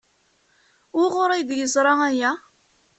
Wuɣur ay d-yeẓra aya?